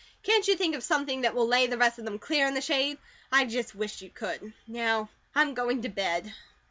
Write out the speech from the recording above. Can't you think of something that will lay the rest of them clear in the shade? I just wish you could. Now, I'm going to bed."